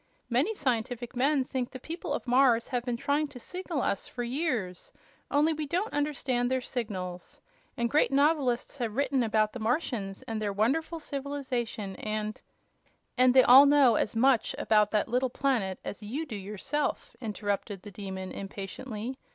Many scientific men think the people of Mars have been trying to signal us for years, only we don't understand their signals. And great novelists have written about the Martians and their wonderful civilization, and " "And they all know as much about that little planet as you do yourself," interrupted the Demon, impatiently.